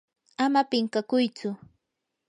ama pinqakuytsu.